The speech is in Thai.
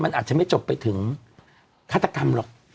มันอาจจะไม่จบไปถึงฆาตกรรมหรอก